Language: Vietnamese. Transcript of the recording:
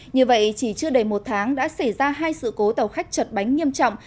như vậy chỉ chưa đầy một tháng đã xảy ra hai sự cố tàu khách chật bánh nghiêm trọng